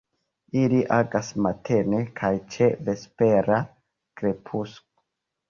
Ili agas matene kaj ĉe vespera krepusko.